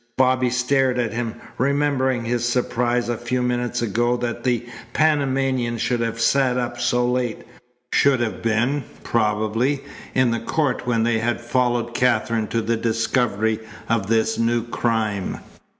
Bobby stared at him, remembering his surprise a few minutes ago that the Panamanian should have sat up so late, should have been, probably, in the court when they had followed Katherine to the discovery of this new crime.